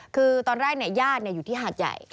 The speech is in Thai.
คือตอนแรกญาติอยู่ที่หาดใหญ่